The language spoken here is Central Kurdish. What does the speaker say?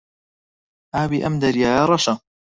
ئاوی ئەم دەریایە ڕەشە.